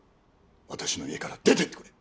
私の家から出てってくれ。